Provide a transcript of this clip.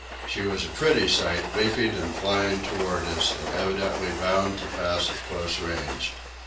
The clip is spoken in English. She was a pretty sight, leaping and flying toward us, and evidently bound to pass at close range.